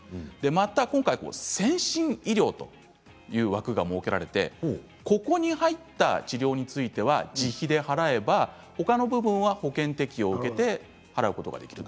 また今回、先進医療という枠が設けられてここに入った治療については自費で払えばほかの部分は保険適用を受けて払うことができる。